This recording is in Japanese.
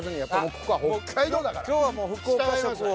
今日はもう福岡色を。